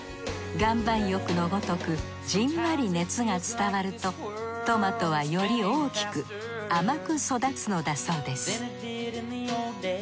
岩盤浴のごとくじんわり熱が伝わるとトマトはより大きく甘く育つのだそうです